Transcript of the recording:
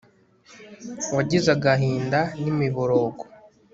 wagize agahinda n'imiborogo